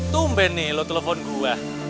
bukan bingung ben lo telepon gue